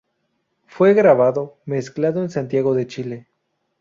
Fue grabado, mezclado en Santiago de Chile.